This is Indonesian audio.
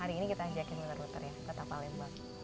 hari ini kita ajakin putar putar ya ke palembang